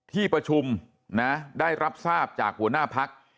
ที่ประชุมนะได้รับทราบจากหัวหน้าพัก